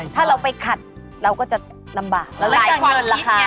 ถ้าเราไปขัดเราก็จะลำบาก